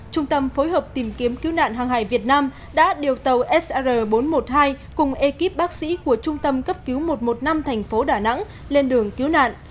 trung tâm phối hợp tìm kiếm cứu nạn hàng hải việt nam đã điều tàu sr bốn trăm một mươi hai cùng ekip bác sĩ của trung tâm cấp cứu một trăm một mươi năm thành phố đà nẵng lên đường cứu nạn